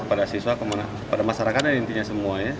pada siswa kepada masyarakat dan intinya semua ya